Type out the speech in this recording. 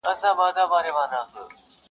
نه احتیاج یمه د علم نه محتاج د هنر یمه ,